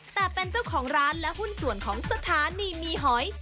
แต่เป็นเจ้าของร้านและหุ้นส่วนของสถานีมีหอย